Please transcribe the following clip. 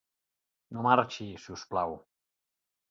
No marxi, si us plau.